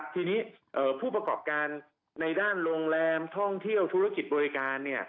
ทีนี้ผู้ประกอบการในด้านโรงแรมท่องเที่ยวธุรกิจบริการ